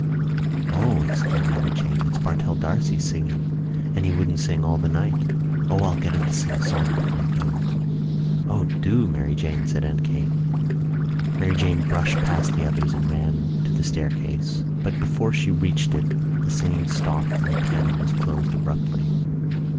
"O," exclaimed Mary Jane. "It's Bartell D'Arcy singing and he wouldn't sing all the night. O, I'll get him to sing a song before he goes." "O do, Mary Jane," said Aunt Kate. Mary Jane brushed past the others and ran to the staircase, but before she reached it the singing stopped and the piano was closed abruptly.